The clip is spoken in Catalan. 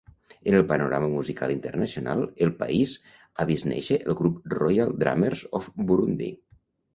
En el panorama musical internacional, el país ha vist néixer el grup Royal Drummers of Burundi.